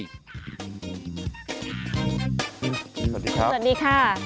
สวัสดีครับสวัสดีค่ะ